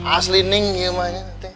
asli neng iya mah nek